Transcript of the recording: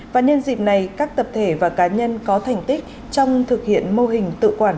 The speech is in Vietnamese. và nhân dịp này các tập thể và cá nhân có thành tích trong thực hiện mô hình tự quản